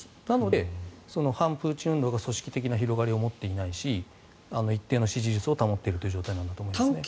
なので反プーチン運動が組織的な広がりを持っていないし、一定の支持率を保っている状態だと思います。